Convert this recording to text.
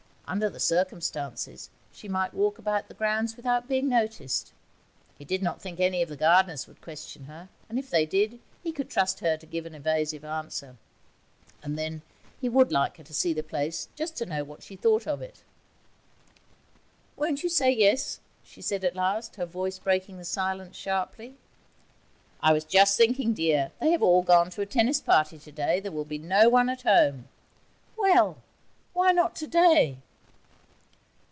Under the circumstances she might walk about the grounds without being noticed. He did not think any of the gardeners would question her, and, if they did, he could trust her to give an evasive answer. And then he would like her to see the place just to know what she thought of it. 'Won't you say yes?' she said at last, her voice breaking the silence sharply. 'I was just thinking, dear: they have all gone to a tennis party today. There'll be no one at home.' 'Well! why not today?'